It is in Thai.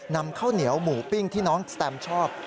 นำข้าวเหนียวหมูปิ้งที่น้องสแตมชอบ